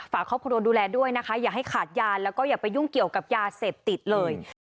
ฝากครอบครัวดูแลด้วยนะคะอย่าให้ขาดยานแล้วก็อย่าไปยุ่งเกี่ยวกับยาเสพติดเลย